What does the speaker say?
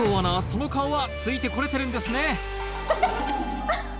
その顔はついて来れてるんですねハッハハ。